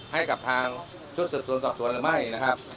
ให้กับทางชุดสืบสวนสอบสวนหรือไม่นะครับ